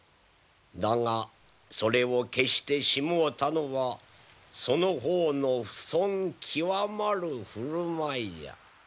だがそれを消してしもうたのはその方の不遜極まる振る舞いじゃ。